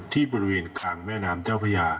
ที่บริเวณกลางแม่น้ำเจ้าพญา